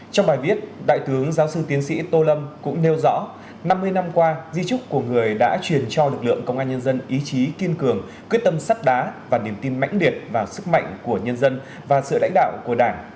trong bài viết đại tướng giáo sư tiến sĩ tô lâm cũng nêu rõ năm mươi năm qua di trúc của người đã truyền cho lực lượng công an nhân dân ý chí kiên cường quyết tâm sắt đá và niềm tin mãnh liệt vào sức mạnh của nhân dân và sự lãnh đạo của đảng